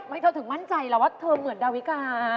เธอถึงมั่นใจแล้วว่าเธอเหมือนดาวิกา